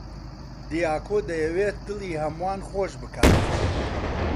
دیاکۆ دەیەوێت دڵی هەمووان خۆش بکات.